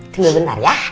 tunggu bentar ya